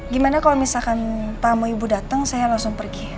gimana kalau misalkan tamu ibu datang saya langsung pergi